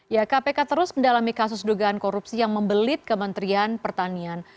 ya kpk terus mendalami kasus dugaan korupsi yang membelit kementerian pertanian